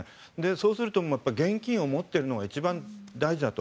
そうすると、現金を持っているのが一番大事だと。